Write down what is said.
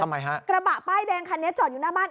ทำไมฮะกระบะป้ายแดงคันนี้จอดอยู่หน้าบ้าน